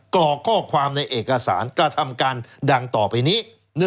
กรอกข้อความในเอกสารกระทำการดังต่อไปนี้